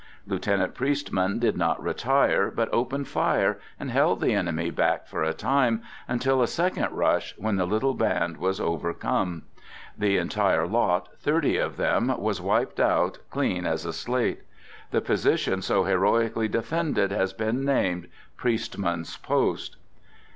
Lieutenant Priestman did not retire, but opened fire, and held the enemy back for a time, until a second rush, when the little band was overcome. The en tire lot, thirty of them, was wiped out clean as a slate. The position so heroically defended has been named " Priestman's Post."